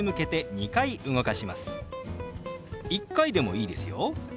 １回でもいいですよ。